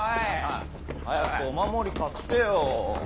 早くお守り買ってよ！